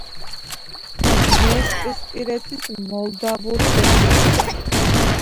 დნესტრისპირეთის მოლდავური რესპუბლიკა.